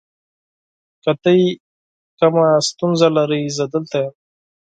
که تاسو کومه ستونزه لرئ، زه دلته یم.